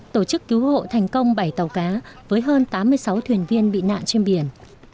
tổ chức cứu hộ thành công bảy tàu cá với hơn tám mươi sáu thuyền viên bị nạn trên biển